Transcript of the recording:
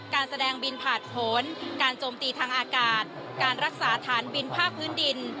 การแสดงบินผ่านผลการโจมตีทางอากาศการรักษาฐานบินภาคพื้นดิน